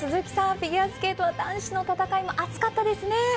フィギュアスケート男子の戦い熱かったですね。